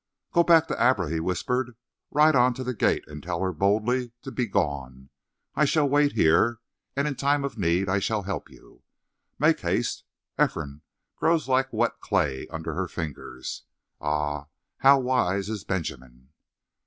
"Go back to Abra," he whispered. "Ride on to the gate and tell her boldly to be gone. I shall wait here, and in time of need I shall help you. Make haste. Ephraim grows like wet clay under her fingers. Ah, how wise is Benjamin!"